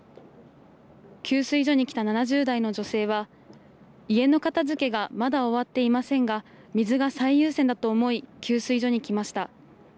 給水所に来た７０代の女性は家の片づけがまだ終わっていませんが水が最優先だと思い給水所に来ました。